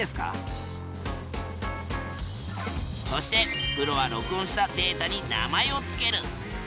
そしてプロは録音したデータに名前をつける。